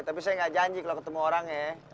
tapi saya gak janji kalo ketemu orangnya